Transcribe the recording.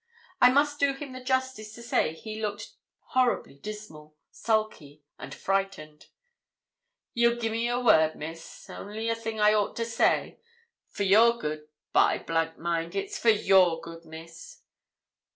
I must do him the justice to say he looked horribly dismal, sulky, and frightened. 'Ye'll gi'e me a word, Miss only a thing I ought to say for your good; by , mind, it's for your good, Miss.'